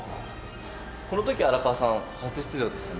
この時荒川さん初出場ですよね？